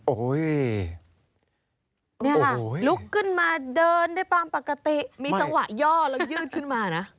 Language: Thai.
โอ้ยนี่ลุกขึ้นมาเดินได้ประมาณปกติมีจังหวะย่อแล้วยืดขึ้นมานะ